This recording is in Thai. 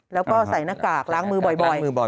แล้วก็ใส่หน้ากากล้างมือบ่อย